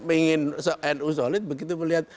ingin nu solid begitu melihat